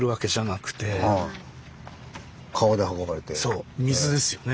そう水ですよね。